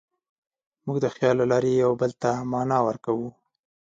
موږ د خیال له لارې یوه بل ته معنی ورکوو.